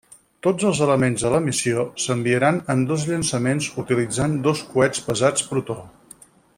Tots els elements de la missió s'enviaran en dos llançaments utilitzant dos coets pesats Protó.